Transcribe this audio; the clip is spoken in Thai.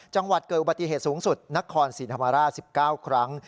จังหวัดเกิดอุบัติเหตุสูงสุดนครศรีธรรมราช๑๙ครั้ง